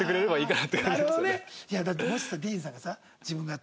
だってもしさディーンさんがさ。